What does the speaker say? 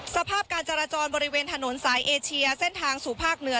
สภาพการจราจรบริเวณถนนสายเอเชียเส้นทางสู่ภาคเหนือ